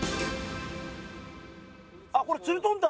あっこれつるとんたん！